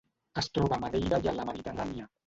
Es troba a Madeira i a la Mediterrània.